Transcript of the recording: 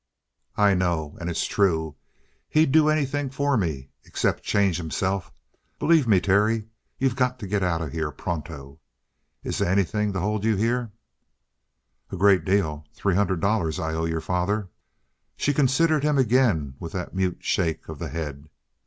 "I know. And it's true. He'd do anything for me, except change himself. Believe me, Terry, you got to get out of here pronto. Is they anything to hold you here?" "A great deal. Three hundred dollars I owe your father." She considered him again with that mute shake of the head.